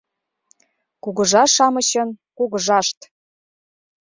Кугыжа-шамычын кугыжашт!